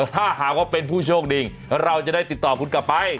ถ้าหากว่าเป็นผู้โชคดีเราจะได้ติดต่อคุณกลับไป